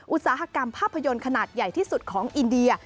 อุตสาหกรรมภาพยนตร์ขนาดใหญ่ที่สุดของอินเดีย